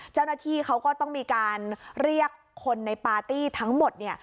เจ้าหน้าที่เขาก็ต้องมีการเรียกคนในปาร์ตี้ทั้งหมด